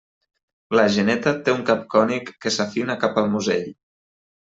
La geneta té un cap cònic que s'afina cap al musell.